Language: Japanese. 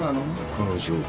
この状況。